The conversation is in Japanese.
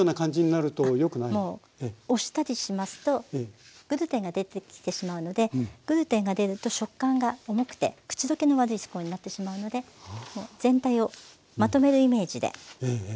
もう押したりしますとグルテンが出てきてしまうのでグルテンが出ると食感が重くて口溶けの悪いスコーンになってしまうので全体をまとめるイメージで。